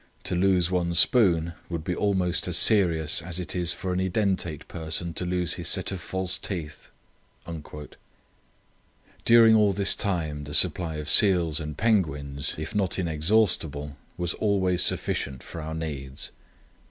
To lose one's spoon would be almost as serious as it is for an edentate person to lose his set of false teeth." During all this time the supply of seals and penguins, if not inexhaustible, was always sufficient for our needs.